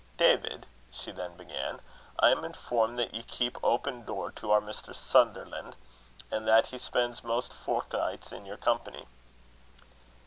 "David," she then began, "I am informed that ye keep open door to our Mr. Sutherland, and that he spends most forenichts in your company."